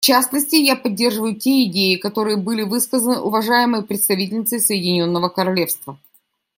В частности, я поддерживаю те идеи, которые были высказаны уважаемой представительницей Соединенного Королевства.